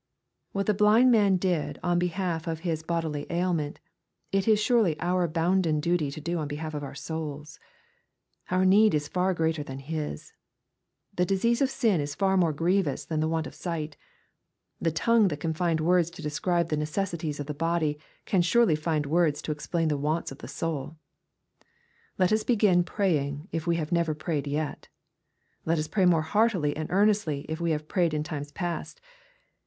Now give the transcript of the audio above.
What the blind man did on behalf of his bodilyailment, it is surely our bounden duty to do on behalf of our souls. Our need is far greater than his. The disease of sin ie fa%more grievous than the want of sight. The tongue that can find words to describe the necessities of the body, can surely find words to explain the wants of the soul. Let us begin praying if we never prayed yet. Let us pray more heartily and earnestly, if we have prayed in times past.